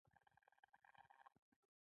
د رودز د یرغل مخنیوی یې وکړ.